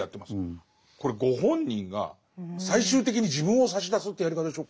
これご本人が最終的に自分を差し出すってやり方でしょ。